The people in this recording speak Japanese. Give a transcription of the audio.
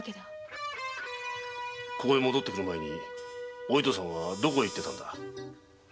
ここへ戻ってくる前にお糸さんはどこへ行ってたんだ？